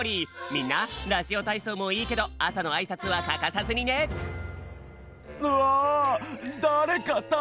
みんなラジオたいそうもいいけどあさのあいさつはかかさずにねうわ！